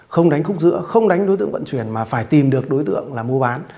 không đánh khúc giữa không đánh đối tượng vận chuyển mà phải tìm được đối tượng là mua bán